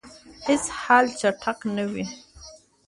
هیڅ حل چټک نه وي.